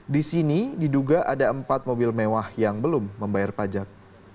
di sini diduga ada empat mobil mewah yang belum membayar pajak